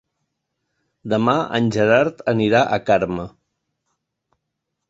Demà en Gerard anirà a Carme.